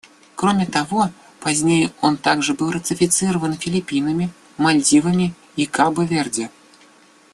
Кроме того, позднее он также был ратифицирован Филиппинами, Мальдивами и Кабо-Верде.